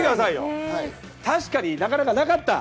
確かに、なかなかなかった。